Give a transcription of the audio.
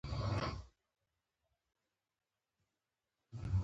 کلتور د افغانستان د صادراتو یوه ډېره مهمه او اساسي برخه جوړوي.